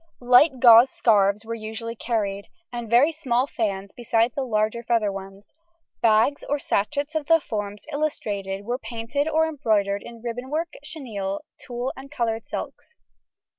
Light gauze scarves were usually carried, and very small fans besides the larger feather ones. Bags or sachets of the forms illustrated were painted or embroidered in ribbonwork, chenille, tulle, and coloured silks.